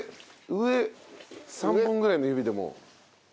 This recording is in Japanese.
上３本ぐらいの指でもう。